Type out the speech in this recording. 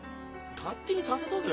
勝手にさせとけよ。